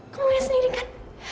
kamu lihat sendiri kan